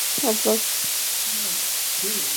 El torneo servirá para medir sus capacidades como arma.